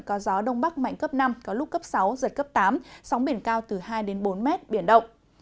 có gió đông bắc mạnh cấp năm có lúc cấp sáu giật cấp tám sóng biển cao từ hai đến bốn mét biển động